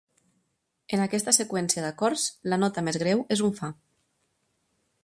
En aquesta seqüència d'acords, la nota més greu és un fa.